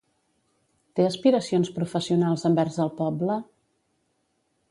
Té aspiracions professionals envers el poble?